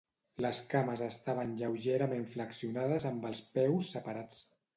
Les cames estaven lleugerament flexionades amb els peus separats.